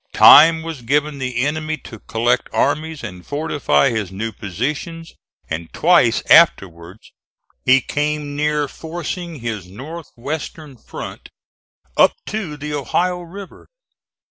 Time was given the enemy to collect armies and fortify his new positions; and twice afterwards he came near forcing his north western front up to the Ohio River.